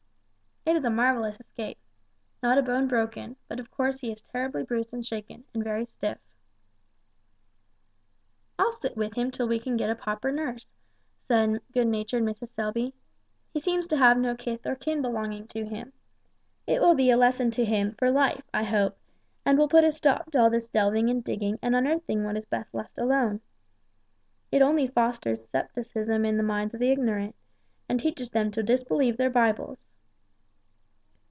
"It is a marvellous escape. Not a bone broken, but of course he is terribly bruised and shaken, and very stiff." "I'll sit with him till we can get a proper nurse," said good natured Mrs. Selby; "he seems to have no kith or kin belonging to him. It will be a lesson to him, for life, I hope, and will put a stop to all this delving and digging and unearthing what is best left alone. It only fosters scepticism in the minds of the ignorant, and teaches them to disbelieve their Bibles!"